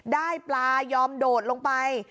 ได้ปลายอมโดดลงไป